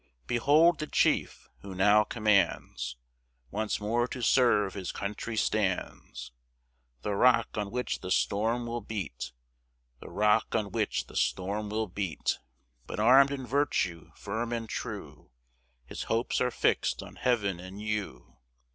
Behold the chief, who now commands, Once more to serve his country stands, The rock on which the storm will beat! The rock on which the storm will beat! But armed in virtue, firm and true, His hopes are fixed on heav'n and you.